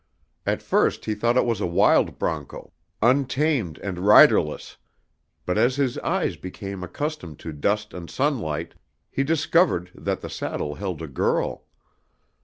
At first he thought it was a wild broncho, untamed and riderless; but as his eyes became accustomed to dust and sunlight, he discovered that the saddle held a girl.